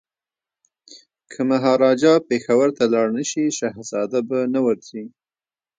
که مهاراجا پېښور ته لاړ نه شي شهزاده به نه ورځي.